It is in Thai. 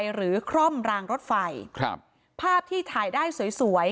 หรือคร่อมรางรถไฟครับภาพที่ถ่ายได้สวยสวย